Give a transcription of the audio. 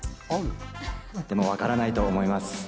でも、わからないと思います。